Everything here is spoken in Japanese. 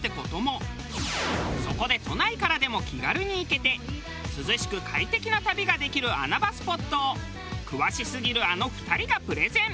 そこで都内からでも気軽に行けて涼しく快適な旅ができる穴場スポットを詳しすぎるあの２人がプレゼン。